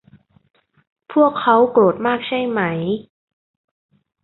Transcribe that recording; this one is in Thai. พวกเค้าโกรธมากใช่ไหม